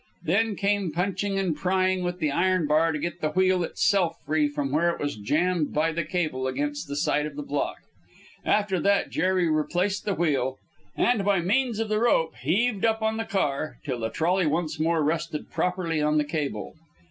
Then came punching and prying with the iron bar to get the wheel itself free from where it was jammed by the cable against the side of the block. After that Jerry replaced the wheel, and by means of the rope, heaved up on the car till the trolley once more rested properly on the cable.